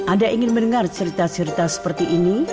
anda ingin mendengar cerita cerita seperti ini